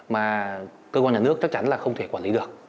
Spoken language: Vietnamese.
mà cơ quan nhà nước chắc chắn là không thể quản lý được